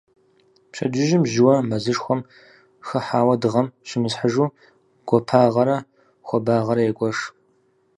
Пщэдджыжьым жьыуэ мэзышхуэм хыхьауэ дыгъэм щымысхьыжу гуапагъэрэ хуабагъэрэ егуэш.